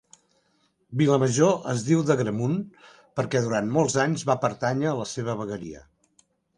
Vilamajor es diu d'Agramunt perquè durant molts anys va pertànyer a la seva vegueria.